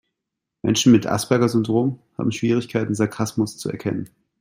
Menschen mit Asperger-Syndrom haben Schwierigkeiten, Sarkasmus zu erkennen.